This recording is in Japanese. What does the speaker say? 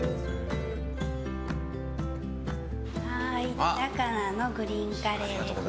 地魚のグリーンカレーですね。